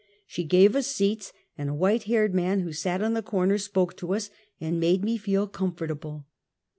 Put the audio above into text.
She gave us seats, and a white haired man who sat in the corner, spoke to us, and made me feel comfort able.